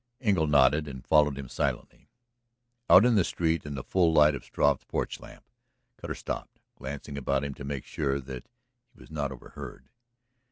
Engle nodded and followed him silently. Out in the street, in the full light of Struve's porch lamp, Cutter stopped, glancing about him to make sure that he was not overheard.